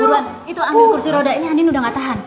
duluan itu ambil kursi roda ini andin udah gak tahan